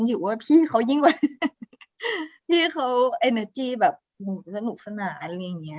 อยู่ว่าพี่เขายิ่งกว่าพี่เขาไอเนอร์จี้แบบหนูจะสนุกสนานอะไรอย่างเงี้